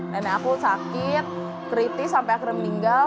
nenek aku sakit kritis sampai akhirnya meninggal